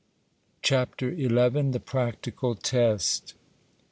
CHAPTER XI. THE PRACTICAL TEST.